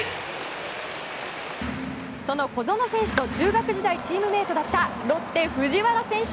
その小園選手と中学時代チームメートだったロッテ、藤原選手。